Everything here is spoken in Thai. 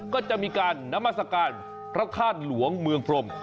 ก็จะมีการนามัศกาลพระธาตุหลวงเมืองพรม